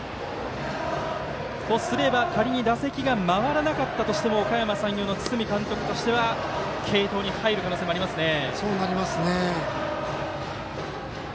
とすれば、仮に打席が回らなかったとしてもおかやま山陽の堤監督としては継投に入る可能性もありますね。